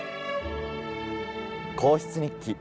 『皇室日記』